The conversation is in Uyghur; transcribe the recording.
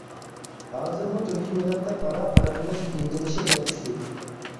ھازىرمۇ تۈركىي مىللەتلەر ئارا پەرقلىنىش ئىنتىلىشى بەك كۈچلۈك.